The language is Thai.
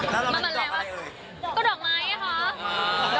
แล้วหล่อมันดอกอะไรเลย